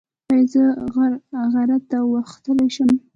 ایا زه غره ته وختلی شم؟